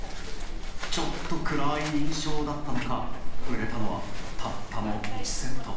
ちょっと暗い印象だったのか、売れたのはたったの１セット。